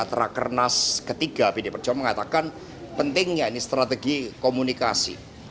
pada saat rakernas ketiga pdip hasto mengatakan pentingnya ini strategi komunikasi